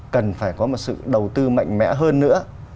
cần phải có một sự đầu tư mạnh mẽ hơn nữa